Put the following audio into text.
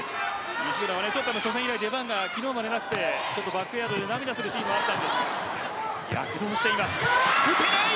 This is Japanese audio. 西村は出番が昨日までなくてバックヤードで涙するシーンもありましたが躍動しています。